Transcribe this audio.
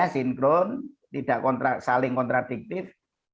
sinkron tidak saling kontradiktif